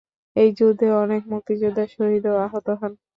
এই যুদ্ধে অনেক মুক্তিযোদ্ধা শহীদ ও আহত হন।